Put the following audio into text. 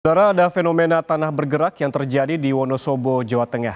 saudara ada fenomena tanah bergerak yang terjadi di wonosobo jawa tengah